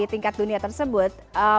tingkat dunia tersebut